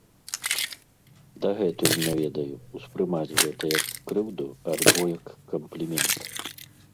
Дагэтуль не ведаю, успрымаць гэта як крыўду альбо як камплімент.